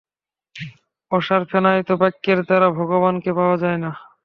অসার ফেনায়িত বাক্যের দ্বারা ভগবানকে পাওয়া যায় না।